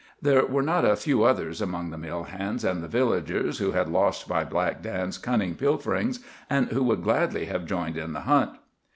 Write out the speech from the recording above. There were not a few others among the mill hands and the villagers who had lost by Black Dan's cunning pilferings, and who would gladly have joined in the hunt.